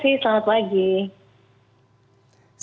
sianan indonesia breaking news